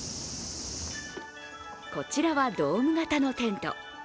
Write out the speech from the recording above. こちらはドーム型のテント。